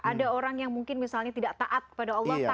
ada orang yang mungkin misalnya tidak taat kepada allah pak